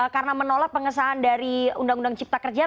karena menolak pengesahan dari undang undang cipta kerja